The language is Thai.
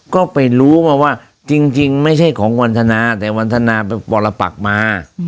ก็ไปรู้มาว่าจริงไม่ใช่ของวันธนาแต่วันทนาไปปรปักมา